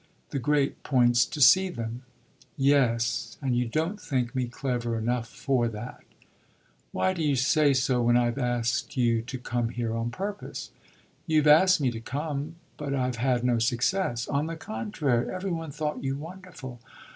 The great point's to see them." "Yes; and you don't think me clever enough for that." "Why do you say so when I've asked you to come here on purpose?" "You've asked me to come, but I've had no success." "On the contrary; every one thought you wonderful."